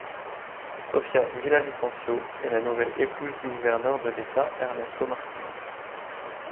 Sofia Villavicencio est la nouvelle épouse du gouverneur de l'état, Ernesto Martínez.